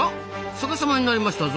逆さまになりましたぞ！